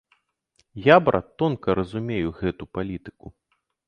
Я, брат, тонка разумею гэту палітыку.